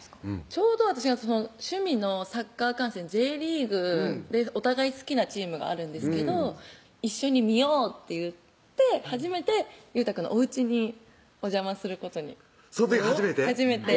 ちょうど私が趣味のサッカー観戦Ｊリーグでお互い好きなチームがあるんですけど「一緒に見よう」って言って初めて雄太くんのおうちにお邪魔することにその時初めて？